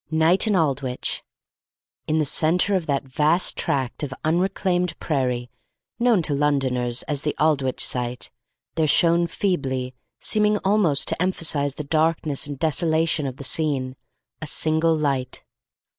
Night in Aldwych! In the centre of that vast tract of unreclaimed prairie known to Londoners as the Aldwych Site there shone feebly, seeming almost to emphasise the darkness and desolation of the scene, a single light.